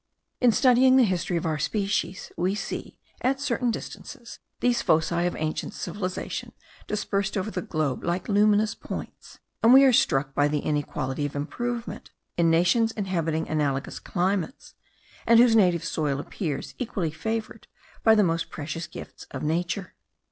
In studying the history of our species, we see, at certain distances, these foci of ancient civilization dispersed over the globe like luminous points; and we are struck by the inequality of improvement in nations inhabiting analogous climates, and whose native soil appears equally favoured by the most precious gifts of nature.